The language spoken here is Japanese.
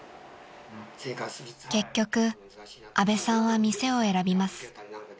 ［結局阿部さんは店を選びます］